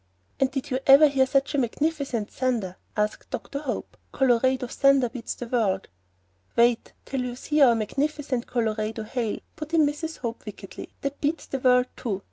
"And did you ever hear such magnificent thunder?" asked Dr. Hope. "Colorado thunder beats the world." "Wait till you see our magnificent Colorado hail," put in Mrs. Hope, wickedly. "That beats the world, too.